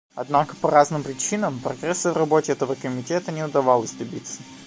Однако по разным причинам прогресса в работе этого Комитета не удавалось добиться.